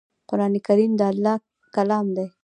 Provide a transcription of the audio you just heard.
قران کریم د الله ج کلام دی